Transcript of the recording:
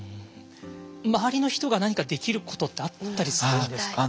周りの人が何かできることってあったりするんですか？